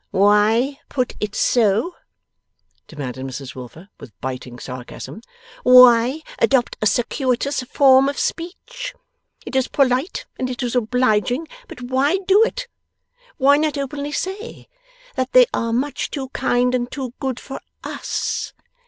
'Why put it so?' demanded Mrs Wilfer, with biting sarcasm. 'Why adopt a circuitous form of speech? It is polite and it is obliging; but why do it? Why not openly say that they are much too kind and too good for US?